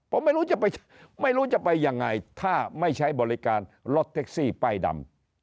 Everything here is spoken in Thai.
ผมไม่รู้จะไปยังไงถ้าไม่ใช้บริการรถเท็กซี่ป้ายดำ